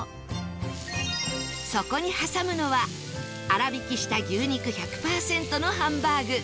そこに挟むのは粗挽きした牛肉１００パーセントのハンバーグ